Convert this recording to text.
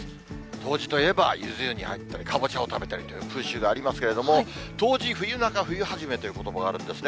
冬至といえば、ゆず湯に入ったり、かぼちゃを食べたりという風習がありますけれども、当時、冬中冬はじめということばがあるんですね。